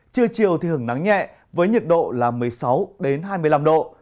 trưa chiều thì hưởng nắng nhẹ với nhiệt độ là một mươi sáu hai mươi năm độ